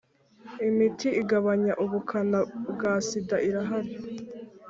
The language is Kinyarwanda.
imiti igabanya ubukana bwa sida irahari,